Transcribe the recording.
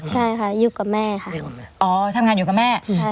ใช่ค่ะอยู่กับแม่ค่ะอ๋อทำงานอยู่กับแม่ใช่ค่ะ